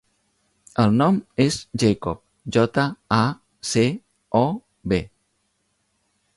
El nom és Jacob: jota, a, ce, o, be.